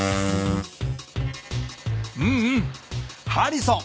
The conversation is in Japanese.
うんうんハリソン。